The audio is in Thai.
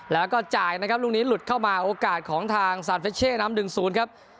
แล้วก็จ่ายนะครับลูกนี้หลุดเข้ามาโอกาสของทางซานเฟชเช่นำ๑๐ครับ